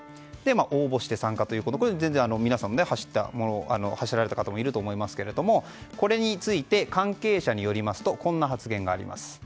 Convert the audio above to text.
応募して参加ということで全然、皆さんも走られた方もいると思いますがこれについて関係者によりますとこんな発言があります。